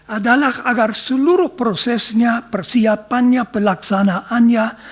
adalah agar seluruh prosesnya persiapannya pelaksanaannya